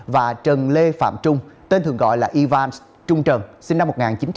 và trần lê phạm trung tên thường gọi là ivans trung trần sinh năm một nghìn chín trăm tám mươi